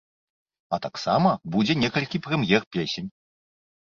А таксама будзе некалькі прэм'ер песень.